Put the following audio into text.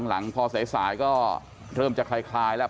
หลังพอสายก็เริ่มจะคล้ายแล้ว